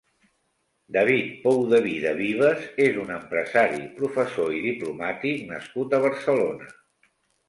David Poudevida-Vives és un empresari, professor i diplomàtic nascut a Barcelona.